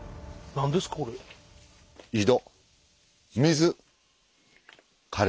何ですか？